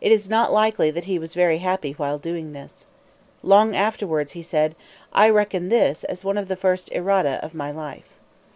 It is not likely that he was very happy while doing this. Long afterwards he said: "I reckon this as one of the first errata of my life."